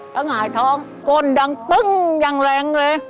แล้วหงายท้องก้นดังปึ้งอย่างแรงเลย